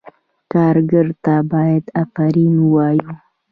کارګر ته باید آفرین ووایو.